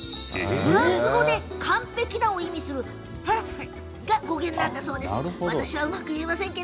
フランス語で、完璧な、を意味するＰａｒｆａｉｔが語源なんだそうです。